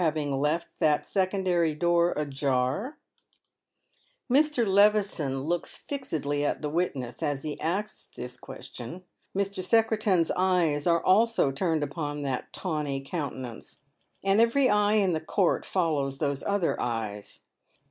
having left that secondary door ajar ?" Mr. Levison looks fi:sedly at the witness as he asks this question ; Mr. Secretan's eyes are also turned upon that tawny countenance, and every eye in the court follows those other eyes.